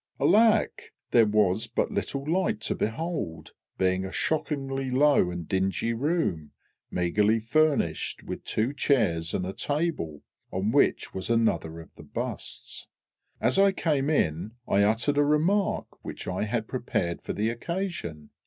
Alack! there was but little light to behold, being a shockingly low and dingy room, meagrely furnished with two chairs and a table, on which was another of the busts. As I came in, I uttered a remark which I had prepared for the occasion.